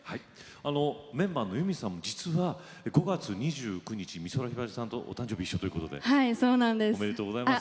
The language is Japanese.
メンバーの結海さんも実は５月２９日、美空ひばりさんとお誕生日が一緒ということでおめでとうございます。